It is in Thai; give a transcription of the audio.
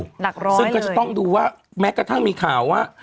หลักร้อยซึ่งก็จะต้องดูว่าแม้กระทั่งมีข่าวว่า